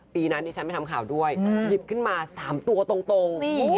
ปีนั้นดิฉันไปทำข่าวด้วยหยิบขึ้นมา๓ตัวตรง